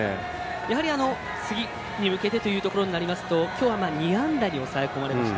やはり、次に向けてということになりますときょうは２安打に抑え込まれました。